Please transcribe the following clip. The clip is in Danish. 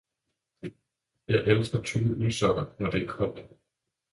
Jeg elsker tykke uldsokker, når det er koldt.